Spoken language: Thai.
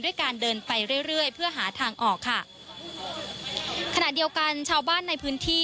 การเดินไปเรื่อยเรื่อยเพื่อหาทางออกค่ะขณะเดียวกันชาวบ้านในพื้นที่